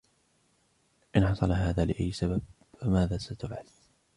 إن حصل هذا لأي سبب ، فماذا ستفعل ؟